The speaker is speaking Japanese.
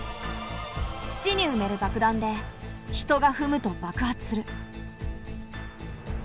土にうめる爆弾で人がふむと爆発する。